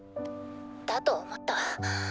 だと思った。